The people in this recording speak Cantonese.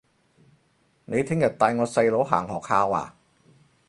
你聽日帶我細佬行學校吖